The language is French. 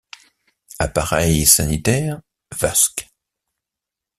Appareils sanitaires, vasques.